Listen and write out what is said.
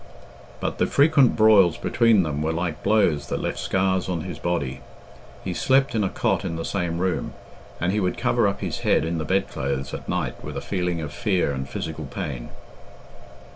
But the frequent broils between them were like blows that left scars on his body. He slept in a cot in the same room, and he would cover up his head in the bedclothes at night with a feeling of fear and physical pain.